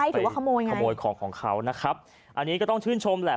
หรือว่าขโมยไงขโมยของของเขานะครับอันนี้ก็ต้องชื่นชมแหละ